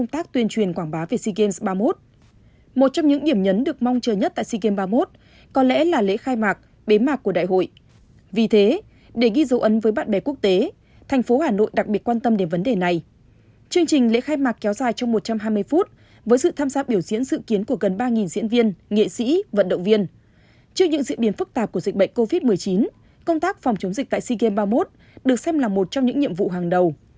trước những diễn biến phức tạp của dịch bệnh covid một mươi chín công tác phòng chống dịch tại sea games ba mươi một được xem là một trong những nhiệm vụ hàng đầu